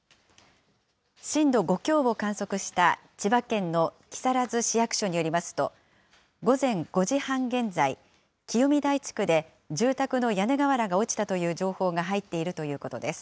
震度５強を観測した千葉県の木更津市役所によりますと、午前５時半現在、清見台地区で住宅の屋根瓦が落ちたという情報が入っているということです。